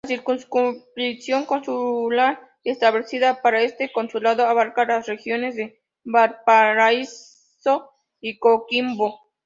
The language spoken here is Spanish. La "circunscripción consular", establecida para este consulado abarca las regiones de Valparaíso y Coquimbo.